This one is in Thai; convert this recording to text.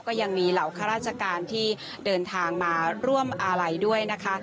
ก็ยังมีเหล่าข้าราชการที่เดินทางมาร่วมอาลัยด้วยนะคะ